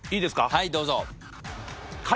はいどうぞ。